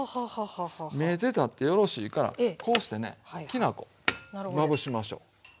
見えてたってよろしいからこうしてねきな粉まぶしましょう。